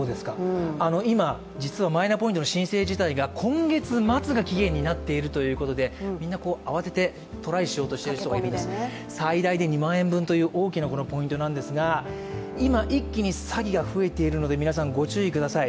今、実はマイナポイントの申請自体が今月末が期限となっているということでみんな慌ててトライしようとしている人がいて最大で２万円分という大きなポイントなんですが、今、一気に詐欺が増えているので皆さんご注意ください。